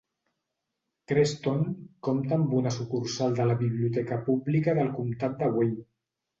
Creston compta amb una sucursal de la biblioteca pública del comtat de Wayne.